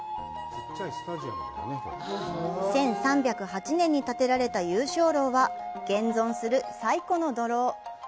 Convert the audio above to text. １３０８年に建てられた「裕昌楼」は、現存する最古の土楼。